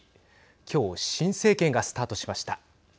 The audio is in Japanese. きょう新政権がスタートしました。